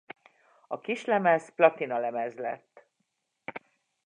A kislemez platinalemez lett.